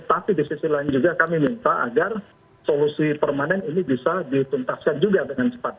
tapi di sisi lain juga kami minta agar solusi permanen ini bisa dituntaskan juga dengan cepat